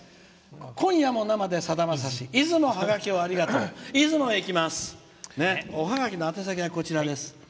「今夜も生でさだまさし出雲ハガキをありがとう」おハガキの宛先は、こちらです。